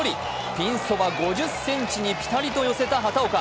ピンそば５０ｃｍにピタリと寄せた畑岡。